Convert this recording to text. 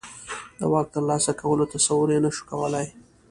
د واک ترلاسه کولو تصور یې نه شوای کولای.